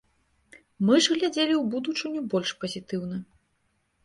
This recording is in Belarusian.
Мы ж глядзелі ў будучыню больш пазітыўна.